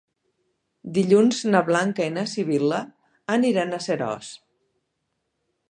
Dilluns na Blanca i na Sibil·la aniran a Seròs.